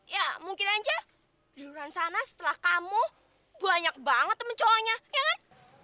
ya mungkin aja duluan sana setelah kamu banyak banget temen cowoknya ya kan